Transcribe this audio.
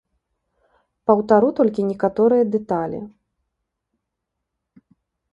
Паўтару толькі некаторыя дэталі.